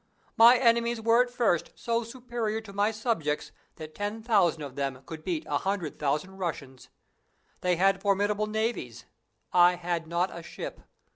My enemies were at first so superior to my subjects that ten thousand of them could beat a hundred thousand Russians. They had formidable navies; I had not a ship.